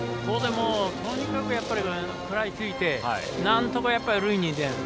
とにかく食らいついてなんとか塁に出る。